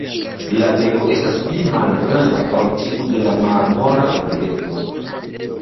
La beko estas pli malgranda ol tiu de la Marmora urieto.